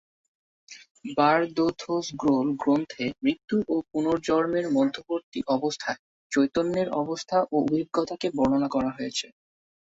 বার-দো-থোস-গ্রোল গ্রন্থে মৃত্যু ও পুনর্জন্মের মধ্যবর্তী অবস্থায় চৈতন্যের অবস্থা ও অভিজ্ঞতাকে বর্ণনা করা হয়েছে।